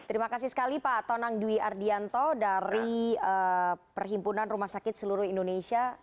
terima kasih sekali pak tonang dwi ardianto dari perhimpunan rumah sakit seluruh indonesia